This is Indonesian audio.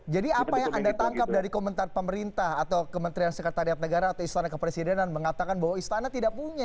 jadi apa yang anda tangkap dari komentar pemerintah atau kementerian sekretariat negara atau istana kepresidenan mengatakan bahwa istana tidak punya